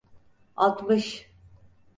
Altmış.